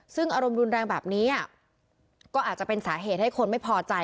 ซึ่งอารมณ์รุนแรงแบบนี้ก็อาจจะเป็นสาเหตุให้คนไม่พอใจ